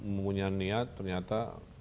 menggunakan niat ternyata